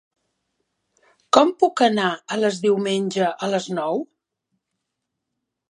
Com puc anar a Les diumenge a les nou?